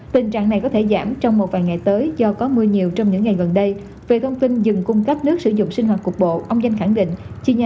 tình trạng này có thể giảm trong một vài ngày tới do có mưa nhiều trong những ngày gần đây